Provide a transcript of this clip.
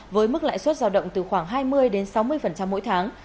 với mức lãi suất giao động từ khoảng hai mươi đến sáu mươi mỗi tháng